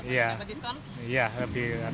dari jogja dapat diskon